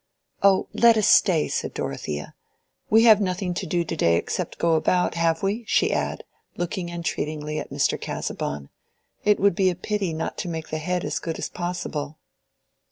"Oh, let us stay!" said Dorothea. "We have nothing to do to day except go about, have we?" she added, looking entreatingly at Mr. Casaubon. "It would be a pity not to make the head as good as possible."